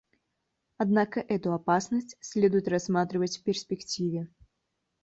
Однако эту опасность следует рассматривать в перспективе.